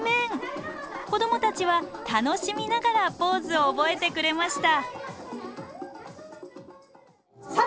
子どもたちは楽しみながらポーズを覚えてくれました。